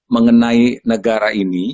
mengenai negara ini